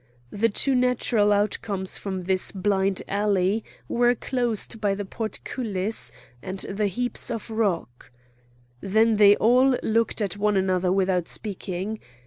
The two natural outcomes from this blind alley were closed by the portcullis and the heaps of rocks. Then they all looked at one another without speaking.